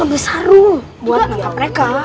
aku ke ruang guru mau ngapain ya